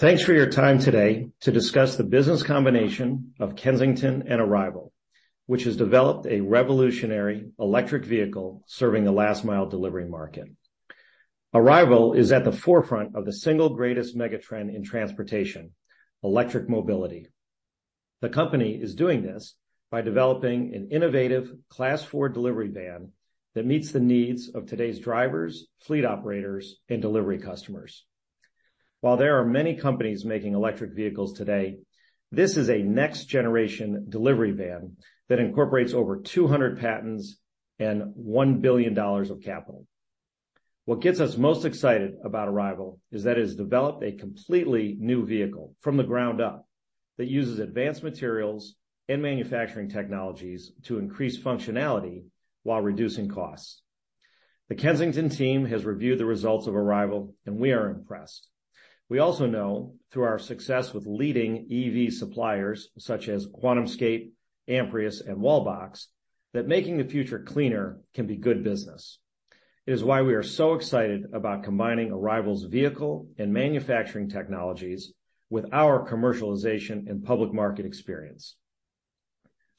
Thanks for your time today to discuss the business combination of Kensington and Arrival, which has developed a revolutionary electric vehicle serving the last mile delivery market. Arrival is at the forefront of the single greatest mega trend in transportation, electric mobility. The company is doing this by developing an innovative Class 4 delivery van that meets the needs of today's drivers, fleet operators, and delivery customers. While there are many companies making electric vehicles today, this is a next-generation delivery van that incorporates over 200 patents and $1 billion of capital. What gets us most excited about Arrival is that it has developed a completely new vehicle from the ground up that uses advanced materials and manufacturing technologies to increase functionality while reducing costs. The Kensington team has reviewed the results of Arrival, and we are impressed. We also know through our success with leading EV suppliers such as QuantumScape, Amprius, and Wallbox, that making the future cleaner can be good business. It is why we are so excited about combining Arrival's vehicle and manufacturing technologies with our commercialization and public market experience.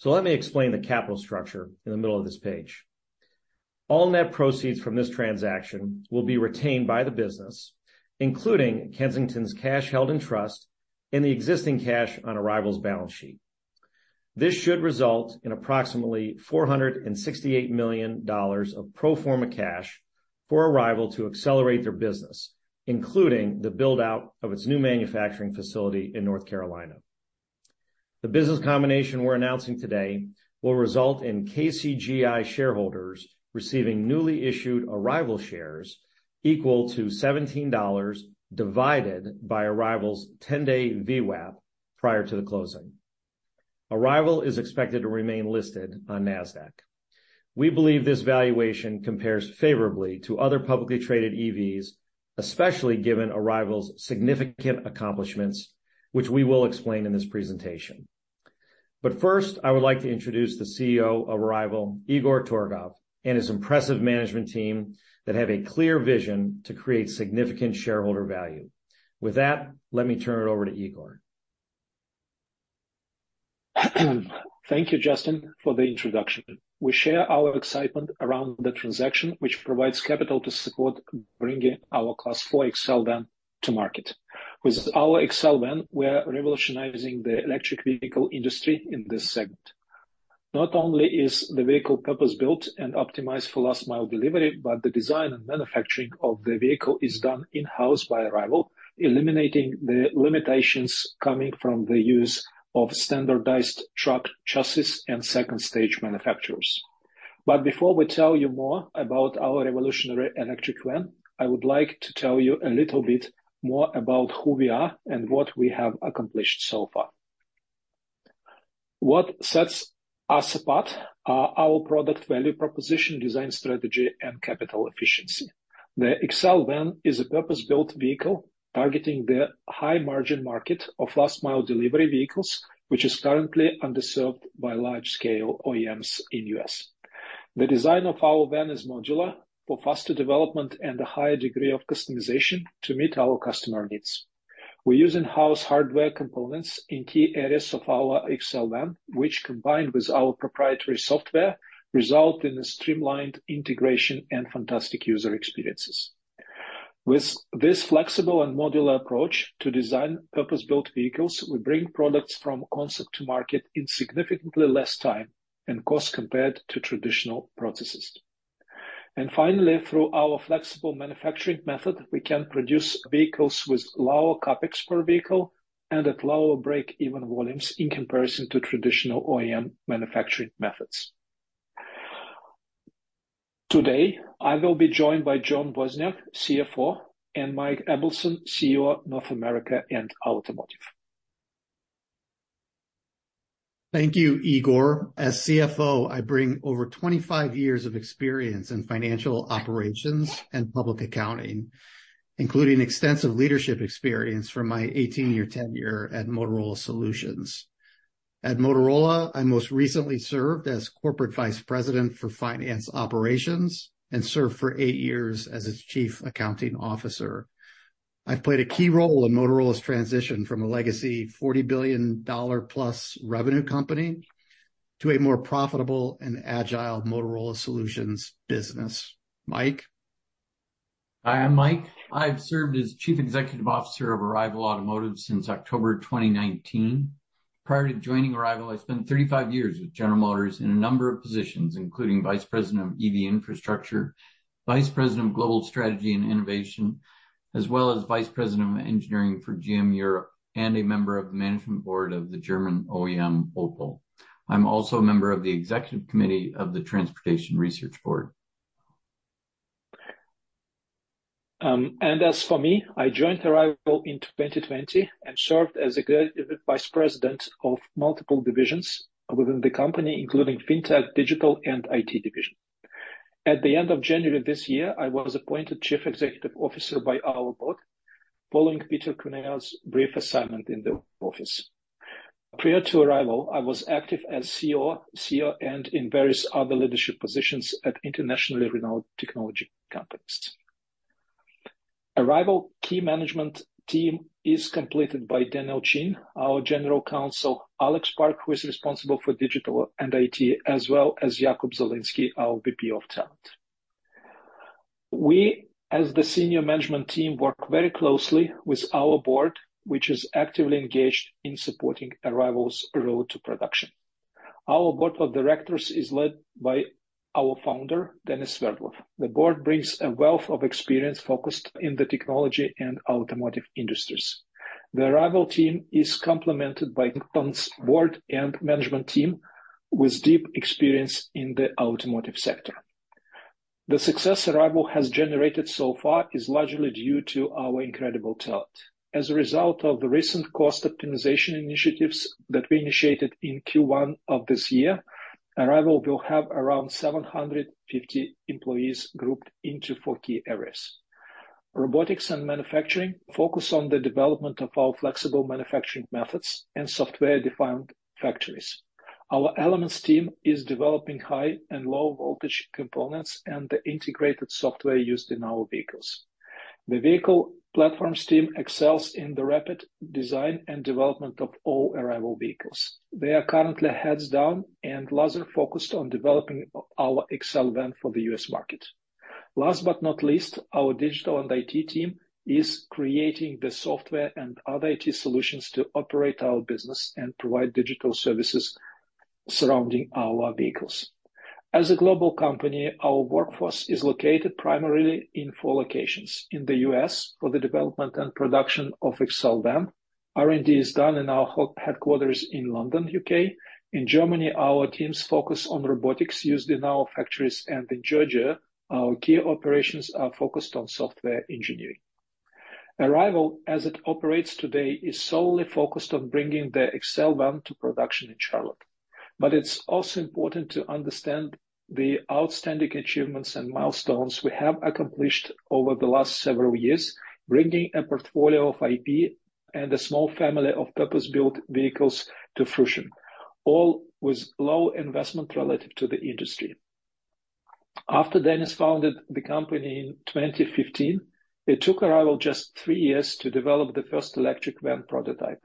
Let me explain the capital structure in the middle of this page. All net proceeds from this transaction will be retained by the business, including Kensington's cash held in trust and the existing cash on Arrival's balance sheet. This should result in approximately $468 million of pro forma cash for Arrival to accelerate their business, including the build-out of its new manufacturing facility in North Carolina. The business combination we're announcing today will result in KCGI shareholders receiving newly issued Arrival shares equal to $17 divided by Arrival's 10-day VWAP prior to the closing. Arrival is expected to remain listed on Nasdaq. We believe this valuation compares favorably to other publicly traded EVs, especially given Arrival's significant accomplishments, which we will explain in this presentation. First, I would like to introduce the CEO of Arrival, Igor Torgov, and his impressive management team that have a clear vision to create significant shareholder value. With that, let me turn it over to Igor. Thank you, Justin, for the introduction. We share our excitement around the transaction, which provides capital to support bringing our Class 4 XL Van to market. With our XL Van, we are revolutionizing the electric vehicle industry in this segment. Not only is the vehicle purpose-built and optimized for last mile delivery, but the design and manufacturing of the vehicle is done in-house by Arrival, eliminating the limitations coming from the use of standardized truck chassis and second-stage manufacturers. Before we tell you more about our revolutionary electric van, I would like to tell you a little bit more about who we are and what we have accomplished so far. What sets us apart are our product value proposition, design strategy, and capital efficiency. The XL Van is a purpose-built vehicle targeting the high-margin market of last mile delivery vehicles, which is currently underserved by large-scale OEMs in U.S. The design of our van is modular for faster development and a higher degree of customization to meet our customer needs. We use in-house hardware components in key areas of our XL Van, which, combined with our proprietary software, result in a streamlined integration and fantastic user experiences. With this flexible and modular approach to design purpose-built vehicles, we bring products from concept to market in significantly less time and cost compared to traditional processes. Finally, through our flexible manufacturing method, we can produce vehicles with lower CapEx per vehicle and at lower break-even volumes in comparison to traditional OEM manufacturing methods. Today, I will be joined by John Wozniak, CFO, and Mike Ableson, CEO, North America and Automotive. Thank you, Igor. As CFO, I bring over 25 years of experience in financial operations and public accounting, including extensive leadership experience from my 18-year tenure at Motorola Solutions. At Motorola, I most recently served as Corporate Vice President for Finance Operations and served for 8 years as its Chief Accounting Officer. I played a key role in Motorola's transition from a legacy $40 billion-plus revenue company to a more profitable and agile Motorola Solutions business. Mike? Hi, I'm Mike. I've served as Chief Executive Officer of Arrival Automotive since October 2019. Prior to joining Arrival, I spent 35 years with General Motors in a number of positions, including Vice President of EV Infrastructure, Vice President of Global Strategy and Innovation, as well as Vice President of Engineering for GM Europe and a member of the management board of the German OEM, Opel. I'm also a member of the Executive Committee of the Transportation Research Board. As for me, I joined Arrival in 2020 and served as Executive Vice President of multiple divisions within the company, including Fintech, Digital, and IT division. At the end of January this year, I was appointed Chief Executive Officer by our board following Peter Cuneo's brief assignment in the office. Prior to Arrival, I was active as CEO and in various other leadership positions at internationally renowned technology companies. Arrival key management team is completed by Daniel Chin, our General Counsel, Alex Park, who is responsible for Digital and IT, as well as Jakub Zielinski, our VP of Talent. We, as the senior management team, work very closely with our board, which is actively engaged in supporting Arrival's road to production. Our board of directors is led by our founder, Denis Sverdlov. The board brings a wealth of experience focused in the technology and automotive industries. The Arrival team is complemented by Kensington's board and management team with deep experience in the automotive sector. The success Arrival has generated so far is largely due to our incredible talent. As a result of the recent cost optimization initiatives that we initiated in Q1 of this year, Arrival will have around 750 employees grouped into four key areas. Robotics and manufacturing focus on the development of our flexible manufacturing methods and software-defined factories. Our elements team is developing high and low voltage components and the integrated software used in our vehicles. The vehicle platforms team excels in the rapid design and development of all Arrival vehicles. They are currently heads down and laser-focused on developing our XL Van for the US market. Last but not least, our digital and IT team is creating the software and other IT solutions to operate our business and provide digital services surrounding our vehicles. As a global company, our workforce is located primarily in four locations. In the US for the development and production of XL Van. R&D is done in our headquarters in London, UK. In Germany, our teams focus on robotics used in our factories. In Georgia, our key operations are focused on software engineering. Arrival, as it operates today, is solely focused on bringing the XL Van to production in Charlotte. It's also important to understand the outstanding achievements and milestones we have accomplished over the last several years, bringing a portfolio of IP and a small family of purpose-built vehicles to fruition, all with low investment relative to the industry. After Denis founded the company in 2015, it took Arrival just three years to develop the first electric van prototype.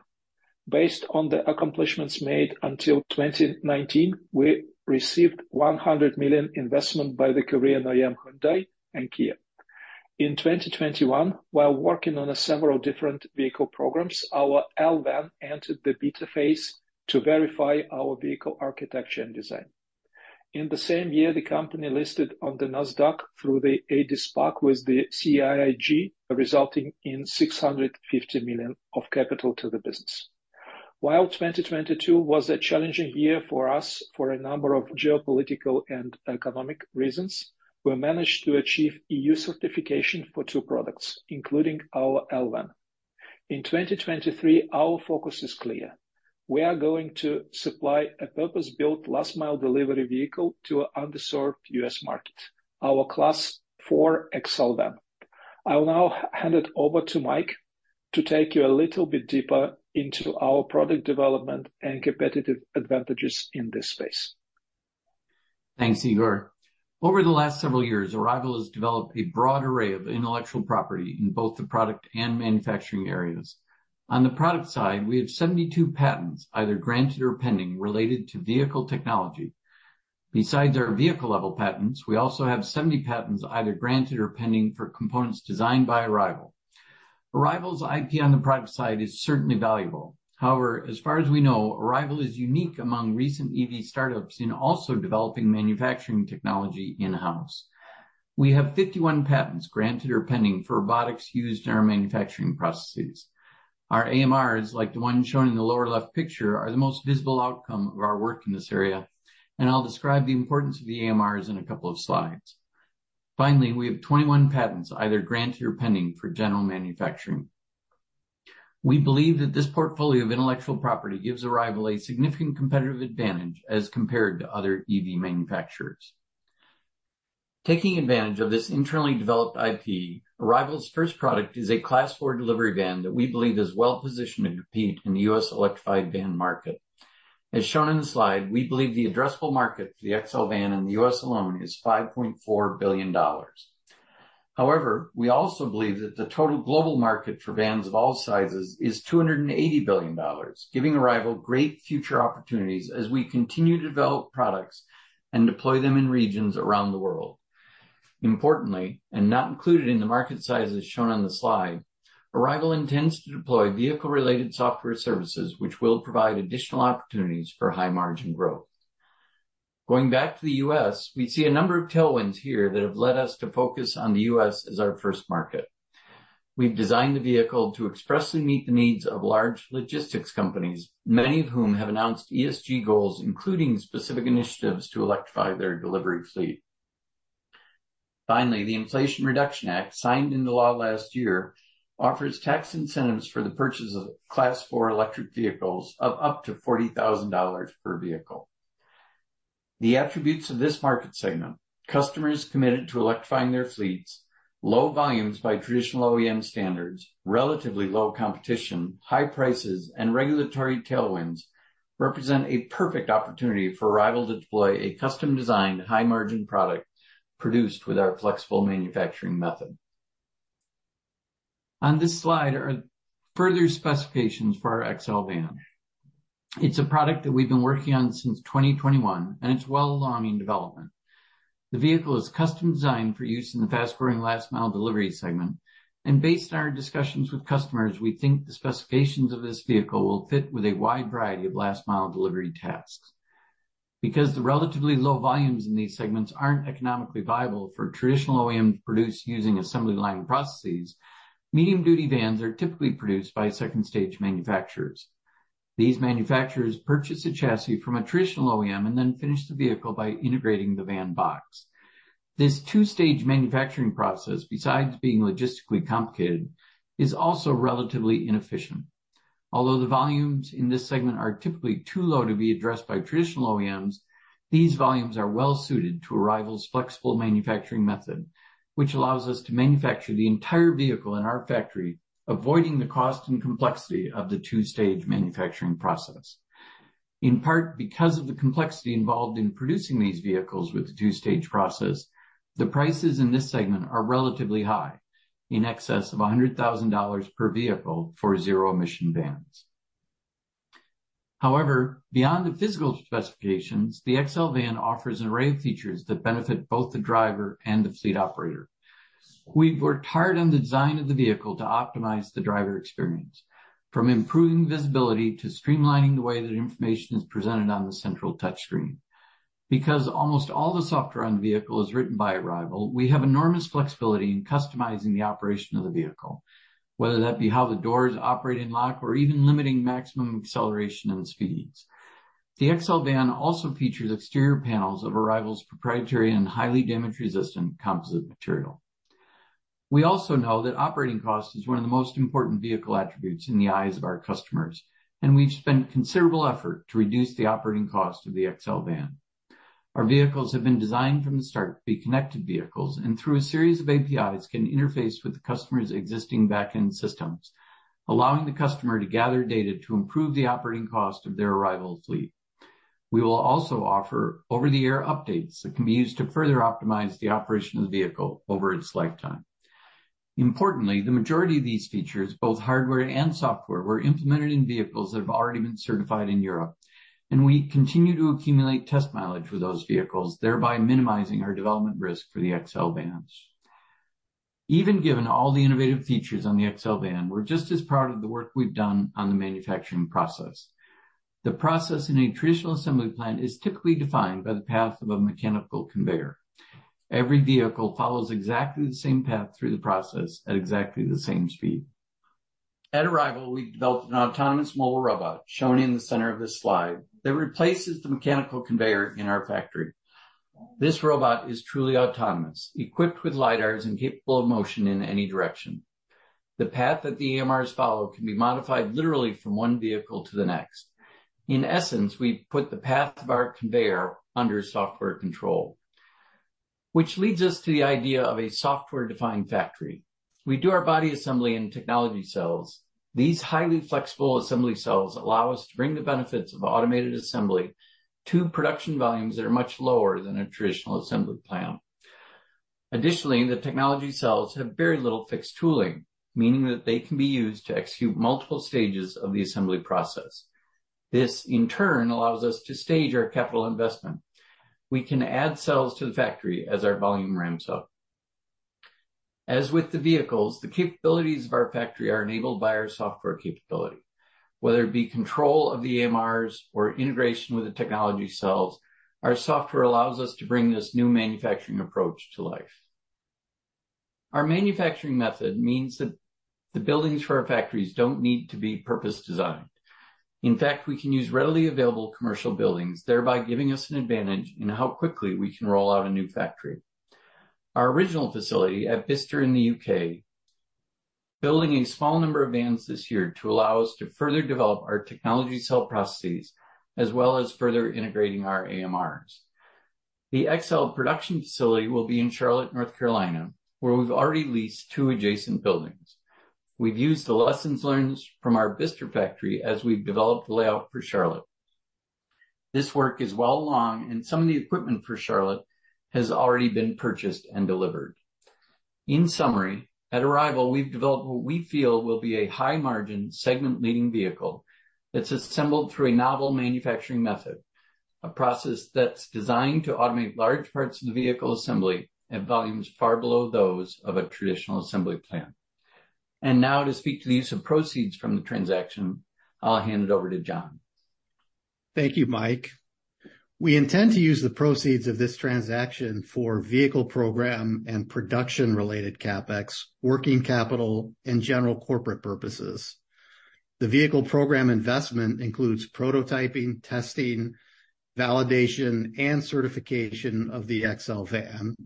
Based on the accomplishments made until 2019, we received $100 million investment by the Korean OEM Hyundai and Kia. In 2021, while working on several different vehicle programs, our L Van entered the beta phase to verify our vehicle architecture and design. In the same year, the company listed on the Nasdaq through a SPAC with the CIIG, resulting in $650 million of capital to the business. While 2022 was a challenging year for us for a number of geopolitical and economic reasons, we managed to achieve EU certification for two products, including our L Van. In 2023, our focus is clear. We are going to supply a purpose-built last mile delivery vehicle to an underserved US market, our Class 4 XL Van. I will now hand it over to Mike to take you a little bit deeper into our product development and competitive advantages in this space. Thanks, Igor. Over the last several years, Arrival has developed a broad array of intellectual property in both the product and manufacturing areas. On the product side, we have 72 patents either granted or pending related to vehicle technology. Besides our vehicle-level patents, we also have 70 patents either granted or pending for components designed by Arrival. Arrival's IP on the product side is certainly valuable. However, as far as we know, Arrival is unique among recent EV startups in also developing manufacturing technology in-house. We have 51 patents granted or pending for robotics used in our manufacturing processes. Our AMRs, like the one shown in the lower left picture, are the most visible outcome of our work in this area. I'll describe the importance of the AMRs in a couple of slides. Finally, we have 21 patents either granted or pending for general manufacturing. We believe that this portfolio of intellectual property gives Arrival a significant competitive advantage as compared to other EV manufacturers. Taking advantage of this internally developed IP, Arrival's first product is a Class 4 delivery van that we believe is well-positioned to compete in the US electrified van market. As shown in the slide, we believe the addressable market for the XL Van in the US alone is $5.4 billion. We also believe that the total global market for vans of all sizes is $280 billion, giving Arrival great future opportunities as we continue to develop products and deploy them in regions around the world. Importantly, and not included in the market sizes shown on the slide, Arrival intends to deploy vehicle-related software services which will provide additional opportunities for high margin growth. Going back to the U.S., we see a number of tailwinds here that have led us to focus on the U.S. as our first market. We've designed the vehicle to expressly meet the needs of large logistics companies, many of whom have announced ESG goals, including specific initiatives to electrify their delivery fleet. Finally, the Inflation Reduction Act, signed into law last year, offers tax incentives for the purchase of Class 4 electric vehicles of up to $40,000 per vehicle. The attributes of this market segment, customers committed to electrifying their fleets, low volumes by traditional OEM standards, relatively low competition, high prices, and regulatory tailwinds represent a perfect opportunity for Arrival to deploy a custom-designed, high-margin product produced with our flexible manufacturing method. On this slide are further specifications for our XL Van. It's a product that we've been working on since 2021. It's well along in development. The vehicle is custom-designed for use in the fast-growing last-mile delivery segment. Based on our discussions with customers, we think the specifications of this vehicle will fit with a wide variety of last-mile delivery tasks. Because the relatively low volumes in these segments aren't economically viable for traditional OEMs produced using assembly line processes, medium-duty vans are typically produced by second-stage manufacturers. These manufacturers purchase a chassis from a traditional OEM and then finish the vehicle by integrating the van box. This two-stage manufacturing process, besides being logistically complicated, is also relatively inefficient. Although the volumes in this segment are typically too low to be addressed by traditional OEMs, these volumes are well-suited to Arrival's flexible manufacturing method, which allows us to manufacture the entire vehicle in our factory, avoiding the cost and complexity of the two-stage manufacturing process. In part because of the complexity involved in producing these vehicles with the two-stage process, the prices in this segment are relatively high, in excess of $100,000 per vehicle for zero-emission vans. However, beyond the physical specifications, the XL Van offers an array of features that benefit both the driver and the fleet operator. We've worked hard on the design of the vehicle to optimize the driver experience, from improving visibility to streamlining the way that information is presented on the central touchscreen. Because almost all the software on the vehicle is written by Arrival, we have enormous flexibility in customizing the operation of the vehicle, whether that be how the doors operate and lock or even limiting maximum acceleration and speeds. The XL Van also features exterior panels of Arrival's proprietary and highly damage-resistant composite material. We also know that operating cost is one of the most important vehicle attributes in the eyes of our customers, and we've spent considerable effort to reduce the operating cost of the XL Van. Our vehicles have been designed from the start to be connected vehicles, and through a series of APIs, can interface with the customer's existing back-end systems, allowing the customer to gather data to improve the operating cost of their Arrival fleet. We will also offer over-the-air updates that can be used to further optimize the operation of the vehicle over its lifetime. Importantly, the majority of these features, both hardware and software, were implemented in vehicles that have already been certified in Europe, and we continue to accumulate test mileage with those vehicles, thereby minimizing our development risk for the XL Vans. Even given all the innovative features on the XL Van, we're just as proud of the work we've done on the manufacturing process. The process in a traditional assembly plant is typically defined by the path of a mechanical conveyor. Every vehicle follows exactly the same path through the process at exactly the same speed. At Arrival, we've developed an autonomous mobile robot, shown in the center of this slide, that replaces the mechanical conveyor in our factory. This robot is truly autonomous, equipped with LiDARs and capable of motion in any direction. The path that the AMRs follow can be modified literally from one vehicle to the next. In essence, we put the path of our conveyor under software control, which leads us to the idea of a software-defined factory. We do our body assembly in technology cells. These highly flexible assembly cells allow us to bring the benefits of automated assembly to production volumes that are much lower than a traditional assembly plant. Additionally, the technology cells have very little fixed tooling, meaning that they can be used to execute multiple stages of the assembly process. This, in turn, allows us to stage our capital investment. We can add cells to the factory as our volume ramps up. As with the vehicles, the capabilities of our factory are enabled by our software capability. Whether it be control of the AMRs or integration with the technology cells, our software allows us to bring this new manufacturing approach to life. Our manufacturing method means that the buildings for our factories don't need to be purpose-designed. In fact, we can use readily available commercial buildings, thereby giving us an advantage in how quickly we can roll out a new factory. Our original facility at Bicester in the UK, building a small number of vans this year to allow us to further develop our technology cell processes, as well as further integrating our AMRs. The XL production facility will be in Charlotte, North Carolina, where we've already leased two adjacent buildings. We've used the lessons learned from our Bicester factory as we've developed the layout for Charlotte. This work is well along, and some of the equipment for Charlotte has already been purchased and delivered. In summary, at Arrival, we've developed what we feel will be a high-margin, segment-leading vehicle that's assembled through a novel manufacturing method, a process that's designed to automate large parts of the vehicle assembly at volumes far below those of a traditional assembly plant. Now to speak to the use of proceeds from the transaction, I'll hand it over to John. Thank you, Mike. We intend to use the proceeds of this transaction for vehicle program and production-related CapEx, working capital, and general corporate purposes. The vehicle program investment includes prototyping, testing, validation, and certification of the XL Van.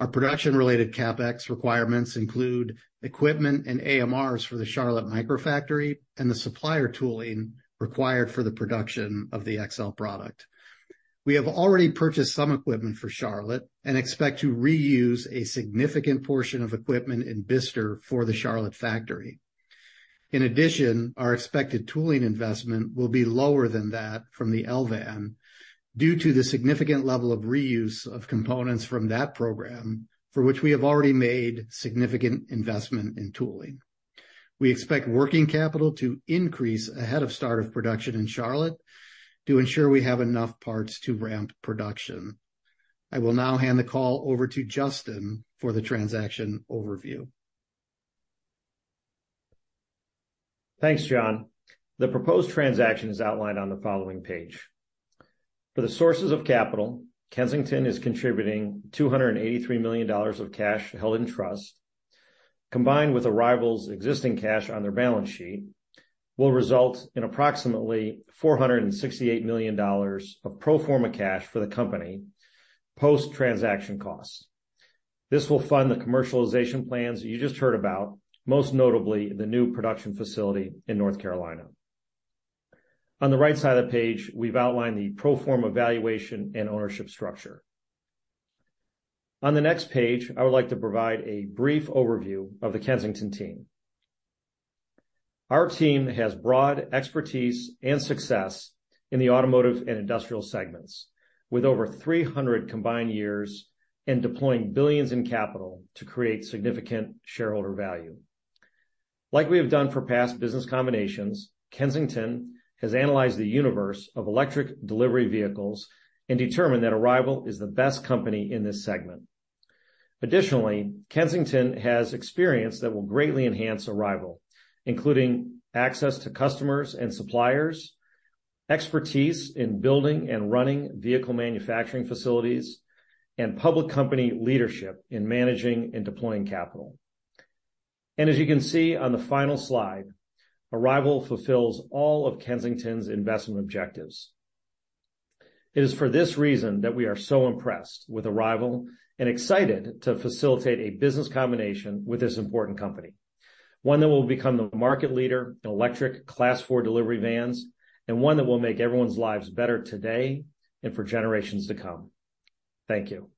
Our production-related CapEx requirements include equipment and AMRs for the Charlotte Microfactory and the supplier tooling required for the production of the XL product. We have already purchased some equipment for Charlotte and expect to reuse a significant portion of equipment in Bicester for the Charlotte factory. In addition, our expected tooling investment will be lower than that from the L Van due to the significant level of reuse of components from that program, for which we have already made significant investment in tooling. We expect working capital to increase ahead of start of production in Charlotte to ensure we have enough parts to ramp production. I will now hand the call over to Justin for the transaction overview. Thanks, John. The proposed transaction is outlined on the following page. For the sources of capital, Kensington is contributing $283 million of cash held in trust, combined with Arrival's existing cash on their balance sheet, will result in approximately $468 million of pro forma cash for the company post-transaction costs. This will fund the commercialization plans you just heard about, most notably the new production facility in North Carolina. On the right side of the page, we've outlined the pro forma valuation and ownership structure. On the next page, I would like to provide a brief overview of the Kensington team. Our team has broad expertise and success in the automotive and industrial segments, with over 300 combined years in deploying billions in capital to create significant shareholder value. Like we have done for past business combinations, Kensington has analyzed the universe of electric delivery vehicles and determined that Arrival is the best company in this segment. Additionally, Kensington has experience that will greatly enhance Arrival, including access to customers and suppliers, expertise in building and running vehicle manufacturing facilities, and public company leadership in managing and deploying capital. As you can see on the final slide, Arrival fulfills all of Kensington's investment objectives. It is for this reason that we are so impressed with Arrival and excited to facilitate a business combination with this important company, one that will become the market leader in electric Class 4 delivery vans, and one that will make everyone's lives better today and for generations to come. Thank you.